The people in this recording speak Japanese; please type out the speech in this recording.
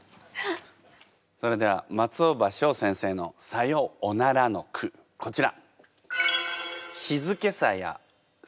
それでは松尾葉翔先生の「さよおなら」の句こちら！